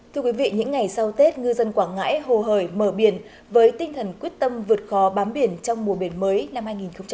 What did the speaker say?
thưa quý vị những ngày sau tết ngư dân quảng ngãi hồ hời mở biển với tinh thần quyết tâm vượt khó bám biển trong mùa biển mới năm hai nghìn hai mươi